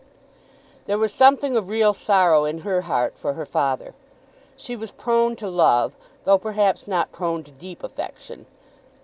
There was something of real sorrow in her heart for her father. She was prone to love, though, perhaps, not prone to deep affection.